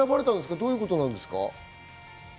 どういうことですか？